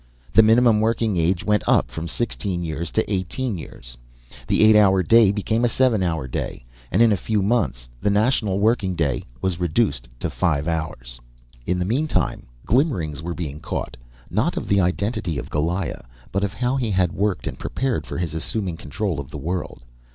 The minimum working age went up from sixteen years to eighteen years. The eight hour day became a seven hour day, and in a few months the national working day was reduced to five hours. In the meantime glimmerings were being caught, not of the identity of Goliah, but of how he had worked and prepared for his assuming control of the world.